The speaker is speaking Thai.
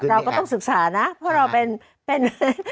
เราก็ต้องศึกษานะเพราะเราเป็นผู้โดยศาล